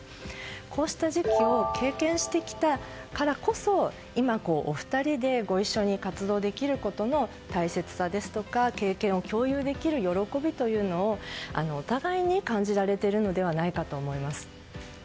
こうした時期を経験してきたからこそ今、お二人でご一緒に活動できることの大切さですとか経験を共有できる喜びをお互いに感じられているのではないかと思います。